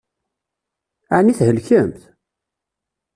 Ɛni thelkemt?